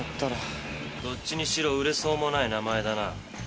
どっちにしろ売れそうもない名前だな。